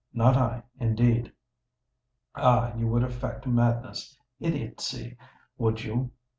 Not I, indeed! Ah! you would affect madness—idiotcy—would you?